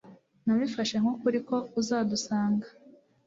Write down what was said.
Nabifashe nkukuri ko uzadusanga